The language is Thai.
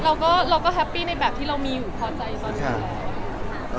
เราก็เราก็แฮปปี้ในแบบที่เรามีอยู่พอใจตอนนี้